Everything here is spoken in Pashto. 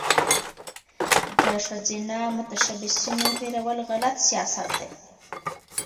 د ښځینه متشبثینو هیرول غلط سیاست دی.